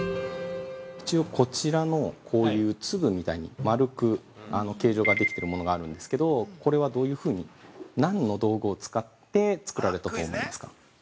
◆一応こちらのこういう粒みたいに丸く形状ができているものがあるんですけど、これはどういうふうに、何の道具を使って作られたと思いますか。